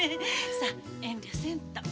さあ遠慮せんと。